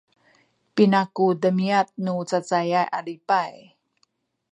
pina ku demiad nu cacayay a lipay?